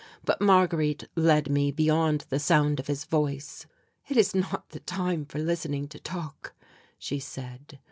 But Marguerite led me beyond the sound of his voice. "It is not the time for listening to talk," she said.